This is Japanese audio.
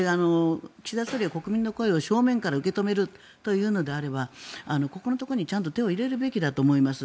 岸田総理は国民の声を正面から受け止めるというのであればここにちゃんと手を入れるべきだと思います。